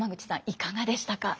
いかがでしたか？